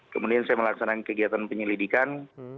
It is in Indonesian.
kemudian saya melaksanakan kegiatan penyelidikan